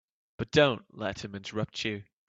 But don't let him interrupt you.